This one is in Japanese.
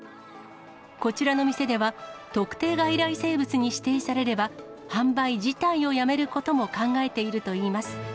こちらの店では、特定外来生物に指定されれば、販売自体をやめることも考えているといいます。